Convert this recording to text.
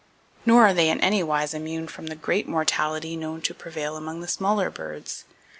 Nor are they in any wise immune from the great mortality known to prevail among the smaller birds.